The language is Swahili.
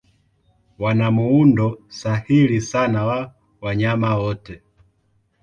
Wana muundo sahili sana wa wanyama wote.